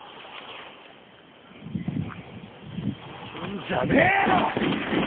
来んじゃねえよ！